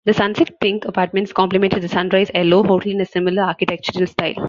The "sunset pink" apartments complemented the "sunrise yellow" hotel in a similar architectural style.